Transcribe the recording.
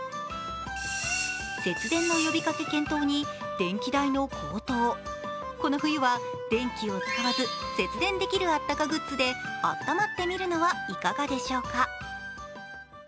節電の呼びかけ検討に電気代の高騰、この冬は、電気を使わず節電できるあったかグッズで、あったまってみるのはいかがでしょうか。